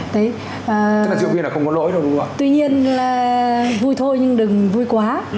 tuy nhiên là vui thôi nhưng đừng vui quá